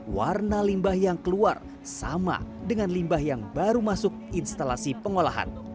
warna limbah yang keluar sama dengan limbah yang baru masuk instalasi pengolahan